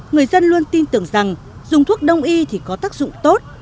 người dân luôn tin tưởng rằng dùng thuốc đông y thì có tác dụng tốt